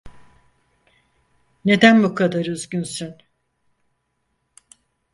Neden bu kadar üzgünsün?